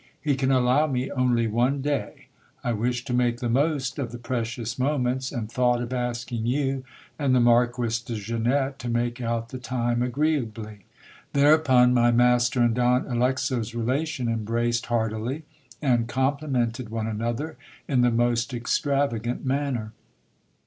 He can allow me only one day. I wish to make the most of the precious moments, and thought of asking you and the Marquis de Zenette to make out the time agreeably. Thereupon my master and Don Alexo's relation embraced heartily, and complimented one an other in the most extravagant manner.